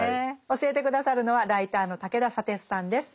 教えて下さるのはライターの武田砂鉄さんです。